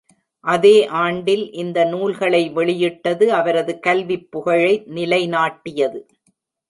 அதே ஆண்டில் இந்த நூல்களை வெளியிட்டது அவரது கல்விப் புகழை நிலைநாட்டியது.